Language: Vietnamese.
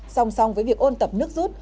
song song với việc ôn tập nước rút